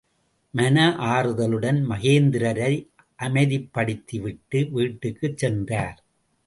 மன ஆறுதலுடன் மகேந்திரரை அமைதிப்படுத்தி விட்டு வீட்டுக்குச் சென்றார்.